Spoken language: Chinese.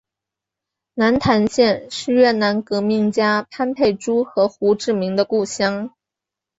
南坛县是越南革命家潘佩珠和胡志明的故乡。